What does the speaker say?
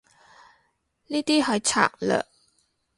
呢啲係策略